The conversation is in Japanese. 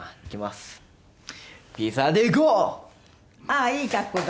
ああいい格好だ。